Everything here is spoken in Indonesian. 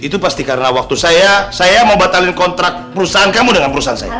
itu pasti karena waktu saya saya mau batalin kontrak perusahaan kamu dengan perusahaan saya